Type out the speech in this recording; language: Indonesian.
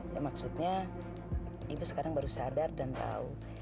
ya maksudnya ibu sekarang baru sadar dan tahu